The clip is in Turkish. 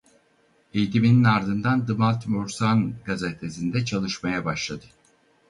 Eğitiminin ardından "The Baltimore Sun" gazetesinde çalışmaya başladı.